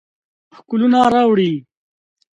ښکلونه راوړي